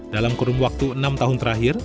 dalam kurun waktu enam tahun terakhir